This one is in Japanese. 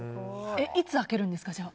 いつ開けるんですか、じゃあ。